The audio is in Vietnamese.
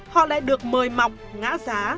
họ lại được mời mọc ngã giá